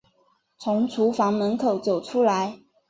从厨房门口走出来